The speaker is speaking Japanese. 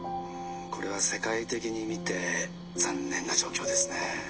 「これは世界的に見て残念な状況ですね。